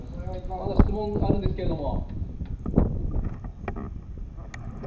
まだ質問あるんですけれども。